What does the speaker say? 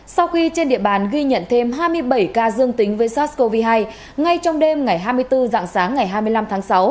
sau khi trên địa bàn ghi nhận thêm hai mươi bảy ca dương tính với sars cov hai ngay trong đêm ngày hai mươi bốn dạng sáng ngày hai mươi năm tháng sáu